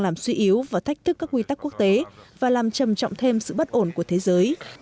làm suy yếu và thách thức các quy tắc quốc tế và làm trầm trọng thêm sự bất ổn của thế giới